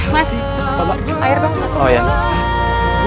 mas bawa air bang